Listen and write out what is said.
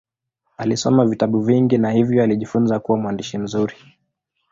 Alisoma vitabu vingi na hivyo alijifunza kuwa mwandishi mzuri.